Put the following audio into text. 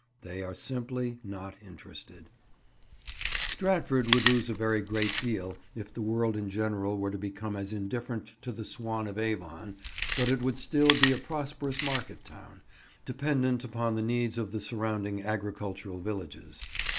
They are simply not interested. [Picture: Chapel Street, Stratford on Avon] Stratford would lose a very great deal if the world in general were to become as indifferent to the Swan of Avon; but it would still be a prosperous market town, dependent upon the needs of the surrounding agricultural villages.